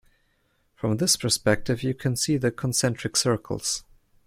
From this perspective you can see the concentric circles.